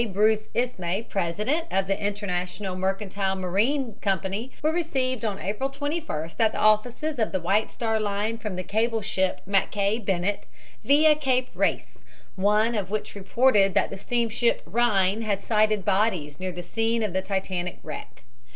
Bruce Ismay, president of the International Mercantile Marine Company, were received on April 21st at the offices of the White Star Line from the cable ship Mackay Bennett, via Cape Race, one of which reported that the steamship Rhein had sighted bodies near the scene of the Titanic wreck.